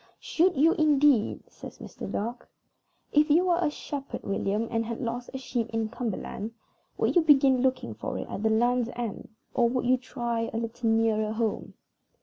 "Should you, indeed?" says Mr. Dark. "If you were a shepherd, William, and had lost a sheep in Cumberland, would you begin looking for it at the Land's End, or would you try a little nearer home?"